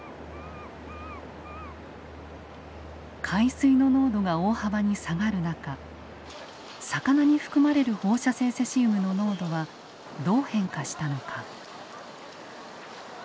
海水の濃度が大幅に下がる中魚に含まれる放射性セシウムの濃度はどう変化したのか。